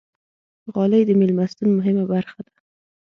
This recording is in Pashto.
غالۍ د میلمستون مهمه برخه ده.